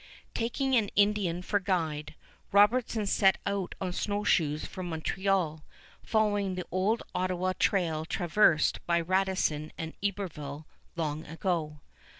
Taking an Indian for guide, Robertson set out on snowshoes for Montreal, following the old Ottawa trail traversed by Radisson and Iberville long ago.